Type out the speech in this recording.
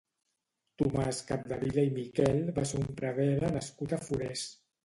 Tomàs Capdevila i Miquel va ser un prevere nascut a Forès.